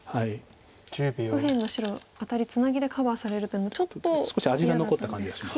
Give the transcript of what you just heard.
右辺の白アタリをツナギでカバーされるとちょっと嫌だったんですか。